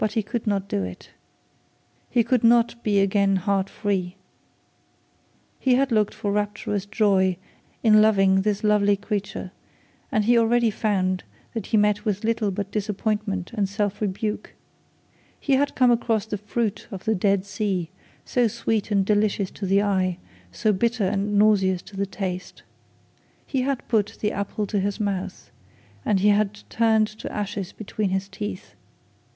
He had looked for rapturous joy in loving this lovely creature, and he already found that he met with little but disappointment and self rebuke. He had come across the fruits of the Dead Sea, so sweet and delicious to the eye, so bitter and nauseous to the taste. He had put the apple to his mouth, and it had turned to ashes between his teeth.